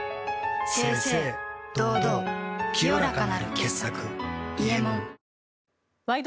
清々堂々清らかなる傑作「伊右衛門」「ワイド！